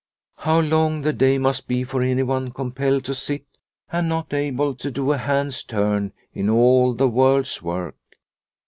How long the day must be for anyone com pelled to sit and not able to do a hand's turn in all the world's work